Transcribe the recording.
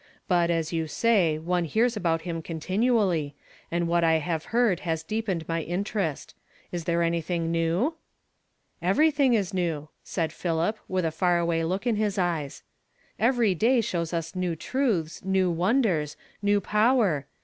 But, as you say, one hears about him continually ; and what I have heard has deepened my interest. Is there anything new ?" "Everything is new," said Philip, with a far av/ay look in his eyes. " Every day sliows us new truths, m /onders, new power.